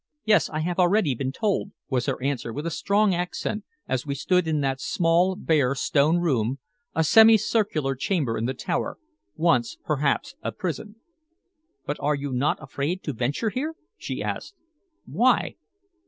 "Yes, I have already been told," was her answer with a strong accent, as we stood in that small, bare stone room, a semicircular chamber in the tower, once perhaps a prison. "But are you not afraid to venture here?" she asked. "Why?"